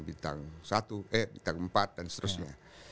bintang satu eh bintang empat dan seterusnya